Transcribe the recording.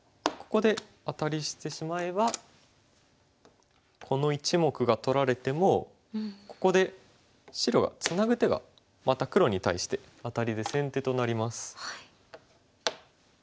ここでアタリしてしまえばこの１目が取られてもここで白はツナぐ手がまた黒に対してアタリで先手となります。